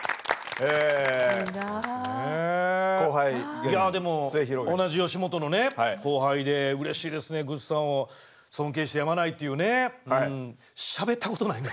いやでも同じ吉本のね後輩でうれしいですねぐっさんを尊敬してやまないっていうねうん。